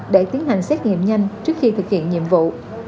để tiến hành xét nghiệm nhanh trước khi thực hiện nhiệm vụ